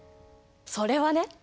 それはね